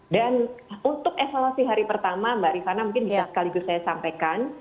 dan untuk evaluasi hari pertama mbak rifana mungkin bisa sekaligus saya sampaikan